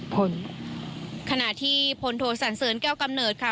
ผลขณะที่พลโทสันเสริญแก้วกำเนิดค่ะ